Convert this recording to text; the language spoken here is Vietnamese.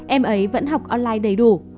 em ấy vẫn học online đầy đủ